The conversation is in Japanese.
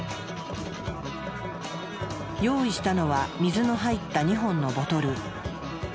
用意したのは水の入った２本のボトル。